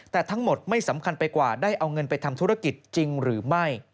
แต่ทั้งหมดไม่สำคัญไปกว่าได้เอาเงินไปทำธุรกิจจริงหรือไม่